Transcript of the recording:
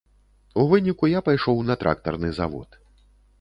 У выніку я пайшоў на трактарны завод.